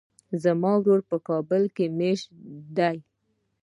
زما ورور په کابل کې ميشت ده.